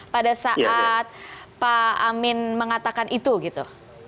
pada saat pak amin mengatakan itu gitu